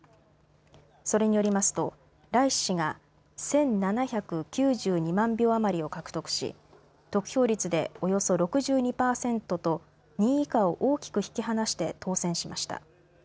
それによりますとライシ師が１７９２万票余りを獲得し得票率でおよそ６２％と２位以下を大きく引き離して当選しました。